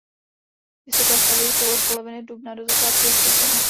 Vysoké stavy jsou od poloviny dubna do začátku listopadu.